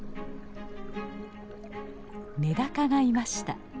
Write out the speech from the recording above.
メダカがいました。